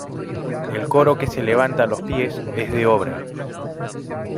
El coro que se levanta a los pies es de obra.